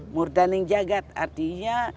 murdaning jagad artinya